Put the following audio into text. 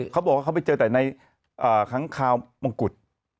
เขาบอกว่าเขาไปเจอแต่ในค้างคาวมงกุฎ